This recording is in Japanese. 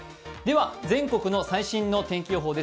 全国の最新の天気予報です。